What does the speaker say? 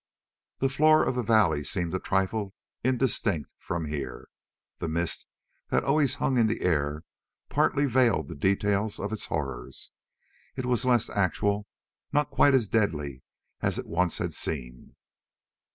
The floor of the valley seemed a trifle indistinct, from here. The mist that hung always in the air partly veiled the details of its horrors. It was less actual, not quite as deadly as it once had seemed.